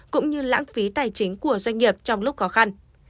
chính của doanh nghiệp trong lúc khó khăn